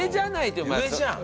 上じゃん！